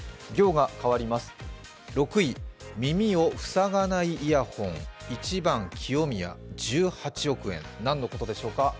行が変わります、６位耳を塞がないイヤホン１番・清宮、１８億円、何のことでしょうか？